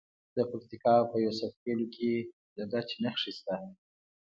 د پکتیکا په یوسف خیل کې د ګچ نښې شته.